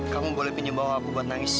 kamu boleh pinjam bawa aku buat nangis